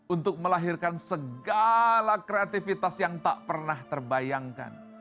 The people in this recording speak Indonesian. untuk melahirkan segala kreativitas yang tak pernah terbayangkan